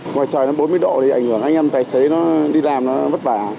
ngoài trời nó bốn mươi độ thì ảnh hưởng anh em tài xế nó đi làm nó vất vả